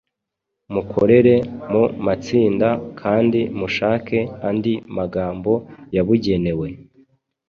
Mukorere mu matsinda kandi mushake andi magambo yabugenewe